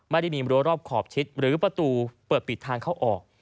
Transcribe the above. ไม่ได้มีรัวรอบขอบชิดหรือประตูเปิดปิดทางเข้าออก